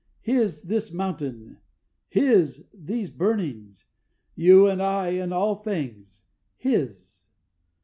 His, this mountain! His, these burnings! You, and I, and all things, His!